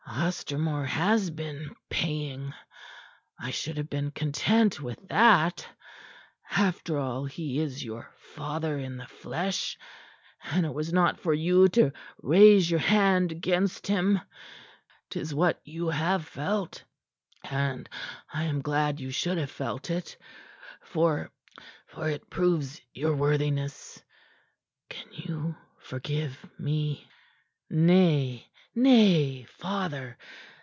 Ostermore has been paying. I should have been content with that. After all, he is your father in the flesh, and it was not for you to raise your hand against him. 'Tis what you have felt, and I am glad you should have felt it, for it proves your worthiness. Can you forgive me?" "Nay, nay, father!